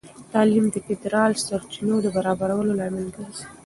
تعلیم د فیدرال سرچینو د برابرولو لامل ګرځي.